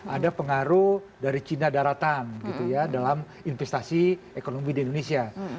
ada pengaruh dari cina daratan gitu ya dalam investasi ekonomi di indonesia